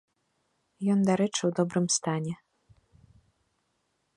Ён, дарэчы, у добрым стане.